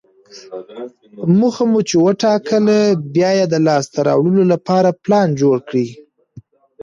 موخه مو چې وټاکله، بیا یې د لاسته راوړلو لپاره پلان جوړ کړئ.